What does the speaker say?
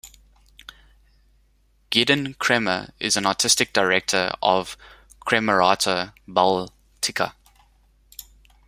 Gidon Kremer is an artistic director of Kremerata Baltica.